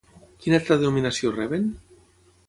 Quina altra denominació reben?